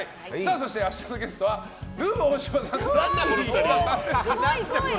そして、明日のゲストはルー大柴さんと何だこの２人。